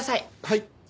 はい。